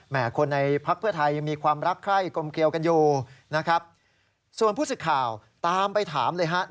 แม้คนในพรรคเพื่อไทยมีความรักไทยกรมเคียวกันอยู่ส่วนผู้สึกข่าวตามไปถามเลยนะครับ